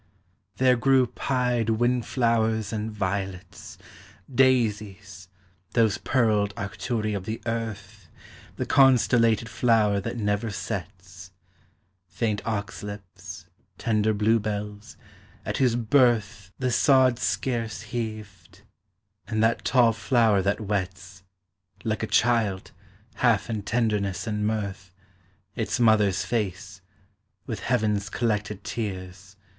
There grew pied wind flowers and violets, Daisies, those pearled Arcturi of the earth, The constellated flower that never sets; Faint oxslips; tender bluebells, at whose birth TREES: FLOWERS: PLANTS. 273 The sod scarce heaved ; and thai (all flower that wets Like a child, hall' in tenderness and mirth — Its mother's face with heaven's collected tears.